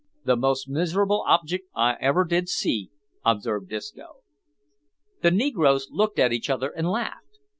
"The most miserable objic' I ever did see," observed Disco. The negroes looked at each other and laughed.